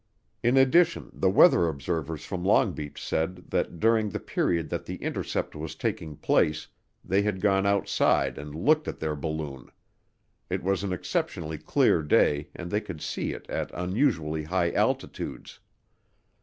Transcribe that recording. In addition, the weather observers from Long Beach said that during the period that the intercept was taking place they had gone outside and looked at their balloon; it was an exceptionally clear day and they could see it at unusually high altitudes.